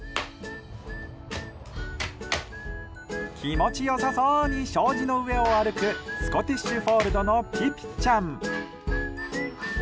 気持ち良さそうに障子の上を歩くスコティッシュフォールドのピピちゃん。